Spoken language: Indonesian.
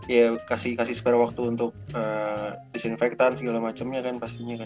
ya kasih kasih waktu untuk disinfektan segala macemnya kan pastinya kan